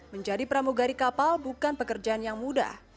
menjadi pramugari kapal bukan pekerjaan yang mudah